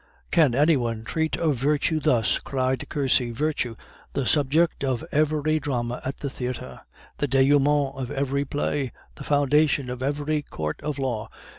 "Can any one treat of virtue thus?" cried Cursy. "Virtue, the subject of every drama at the theatre, the denoument of every play, the foundation of every court of law...."